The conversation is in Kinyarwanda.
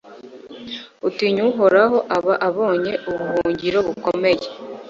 Utinya Uhoraho aba abonye ubuhungiro bukomeye